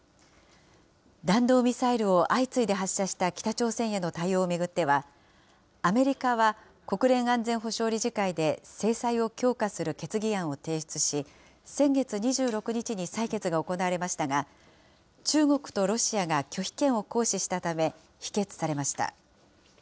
弾道ミサイルを相次いで発射した北朝鮮への対応を巡っては、アメリカは国連安全保障理事会で制裁を強化する決議案を提出し、先月２６日に採決が行われましたが、中国とロシアが拒否権を行使したため、否決されました。